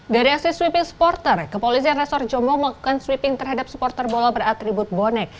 dari aksi sweeping supporter kepolisian resor jombo melakukan sweeping terhadap supporter bola beratribut bonek